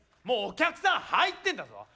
もうお客さん入ってんだぞ？